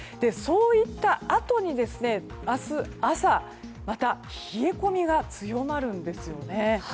そういったあとに明日朝、また冷え込みが強まるんですよね。